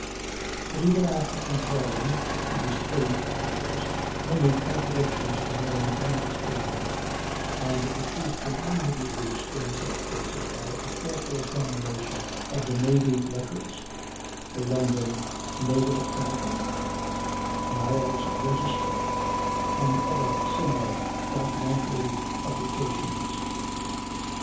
But even after comparing these three authors, many contradictions remain unexplained, and the truth can only be reached in such cases by a careful examination of the navy "Records," the London "Naval Chronicle," "Niles' Register," and other similar documentary publications.